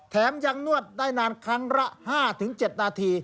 แถมยังนวดได้นานครั้งละ๕๗นาที